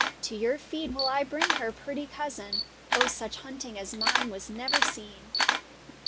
To your feet will I bring her, pretty cousin ; Oh, such hunting as mine was never seen